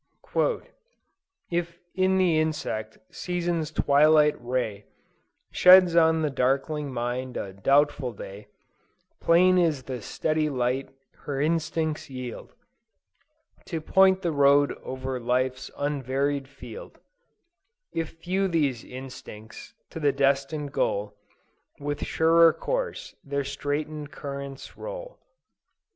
"If in the insect, Season's twilight ray Sheds on the darkling mind a doubtful day, Plain is the steady light her Instincts yield, To point the road o'er life's unvaried field; If few these instincts, to the destined goal, With surer coarse, their straiten'd currents roll."